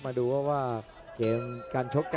มาดูว่าว่าเกมการชก